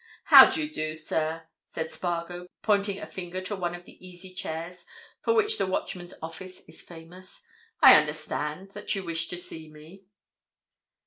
"How do you do, sir?" said Spargo, pointing a finger to one of the easy chairs for which the Watchman office is famous. "I understand that you wish to see me?"